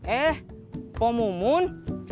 eh poh mumun